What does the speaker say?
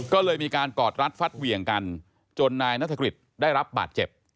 ก็เลยมีการกอดรัดฟัดเหวี่ยงกันจนนายนัฐกฤษได้รับบาดเจ็บ